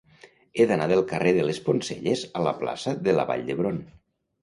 He d'anar del carrer de les Poncelles a la plaça de la Vall d'Hebron.